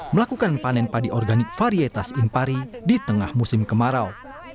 melakukan panen padi organik varietas impari di tengah musim kemarau